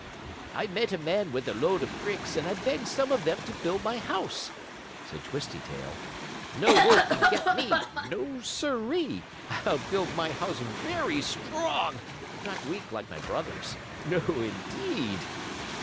"I met a man with a load of bricks, and I begged some of them to build my house," said Twisty Tail. "No wolf can get me. No, sir ee! I'll build my house very strong, not weak like my brothers'. No, indeed!"